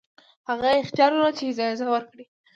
هغوی اختیار درلود چې اجازه ورکړي.